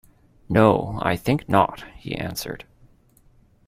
“No, I think not,” he answered.